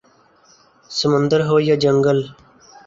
سمندر ہو یا جنگل